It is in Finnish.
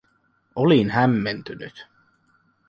Olin hämmentynyt.